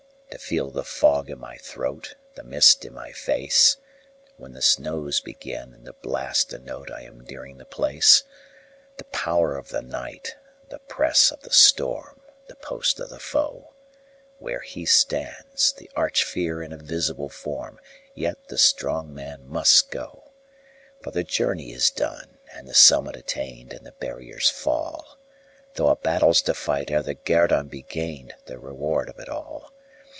—to feel the fog in my throat, The mist in my face, When the snows begin, and the blasts denote I am nearing the place, The power of the night, the press of the storm, The post of the foe; Where he stands, the Arch Fear in a visible form, Yet the strong man must go: For the journey is done and the summit attained, And the barriers fall, Though a battle's to fight ere a guerdon be gained, The reward of it all.